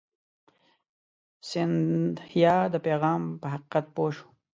سیندهیا د پیغام په حقیقت پوه شو.